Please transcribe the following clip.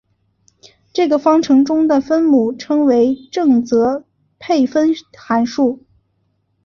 这个方程中的分母称为正则配分函数。